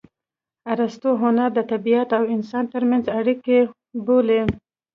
ارستو هنر د طبیعت او انسان ترمنځ اړیکه بولي